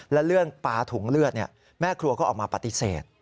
และเรื่องปลาถุงเลือดแม่ครัวก็ออกมาปฏิเสธ